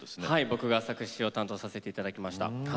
僕が作詞を担当させていただきました。